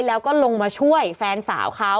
แล้วก็ลงมาช่วยแฟนสาวเขา